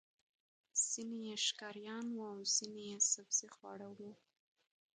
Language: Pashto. ځینې یې ښکاریان وو او ځینې یې سبزيخواره وو.